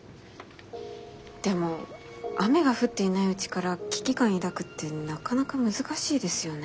でも雨が降っていないうちから危機感抱くってなかなか難しいですよね。